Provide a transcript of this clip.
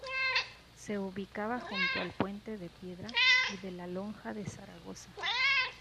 Se ubicaba junto al Puente de Piedra y de la Lonja de Zaragoza.